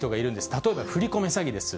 例えば振り込め詐欺です。